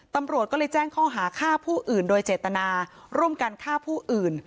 ตำรวจก็เลยแจ้งข้อหาฆ่าผู้อื่นโดยเจตนาร่วมกันฆ่าผู้อื่น